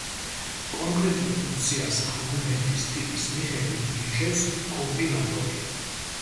კონკრეტულ ფუნქციას არგუმენტის ტიპის მიხედვით ირჩევს კომპილატორი.